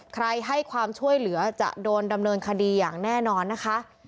ให้ความช่วยเหลือจะโดนดำเนินคดีอย่างแน่นอนนะคะ